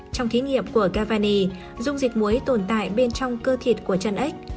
trong thí nghiệm của cavani dung dịch muối tồn tại bên trong cơ thịt của chân ếch